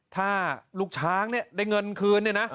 ถ้าลูกช้างเนี่ยได้เงินคืนเนี่ยนะ